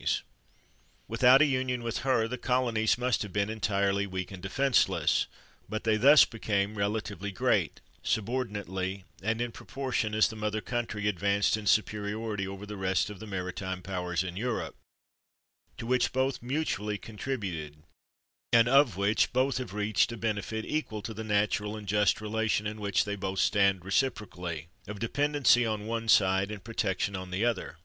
237 THE WORLD'S FAMOUS ORATIONS Without a union with her the colonies must have been entirely weak and defenseless; but they thus became relatively great, subordinately, and in proportion as the mother country ad vanced in superiority over the rest of the mari time powers in Europe, to which both mutually contributed, and of which both have reaped a benefit equal to the natural and just relation in which they both stand reciprocally, of depen dency on one side and protection on the other.